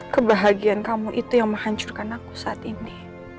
kebahagiaan kamu itu yang menghancurkan aku saat ini